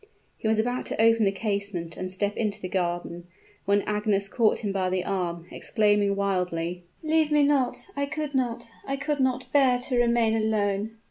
He was about to open the casement and step into the garden, when Agnes caught him by the arm, exclaiming wildly, "Leave me not I could not I could not bear to remain alone!"